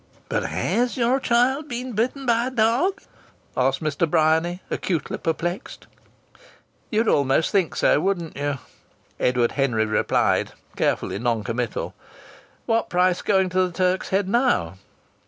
"But has your child been bitten by a dog?" asked Mr. Bryany, acutely perplexed. "You'd almost think so, wouldn't you?" Edward Henry replied, carefully non committal. "What price going to the Turk's Head now?"